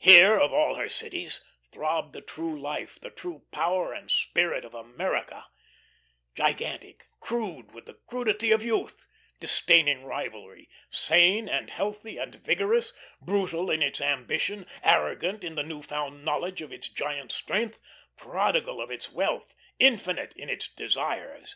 Here, of all her cities, throbbed the true life the true power and spirit of America; gigantic, crude with the crudity of youth, disdaining rivalry; sane and healthy and vigorous; brutal in its ambition, arrogant in the new found knowledge of its giant strength, prodigal of its wealth, infinite in its desires.